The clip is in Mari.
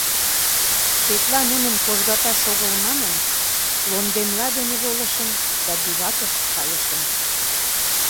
Тетла нуным кожгаташ огыл манын, лондемла дене волышым да бивакыш кайышым.